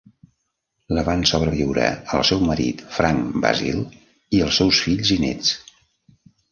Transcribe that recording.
La van sobreviure el seu marit Frank Basile i els seus fills i néts.